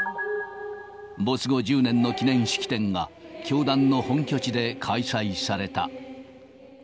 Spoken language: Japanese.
没後１０年の記念式典が、教団の本拠地で開催された。